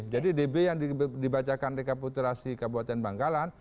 jadi db yang dibacakan rekapitulasi kabupaten bangkalan